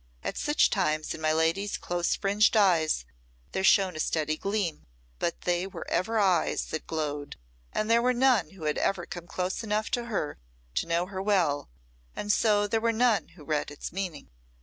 At such times in my lady's close fringed eyes there shone a steady gleam; but they were ever eyes that glowed, and there were none who had ever come close enough to her to know her well, and so there were none who read its meaning.